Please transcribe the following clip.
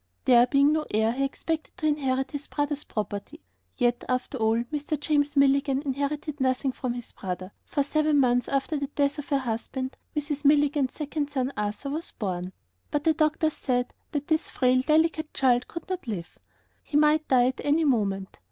There being no heir, he expected to inherit his brother's property. Yet, after all, Mr. James Milligan inherited nothing from his brother, for seven months after the death of her husband, Mrs. Milligan's second son, Arthur, was born. But the doctors said that this frail, delicate child could not live. He might die at any moment.